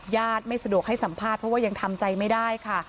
ไม่สะดวกให้สัมภาษณ์เพราะว่ายังทำใจไม่ได้ค่ะ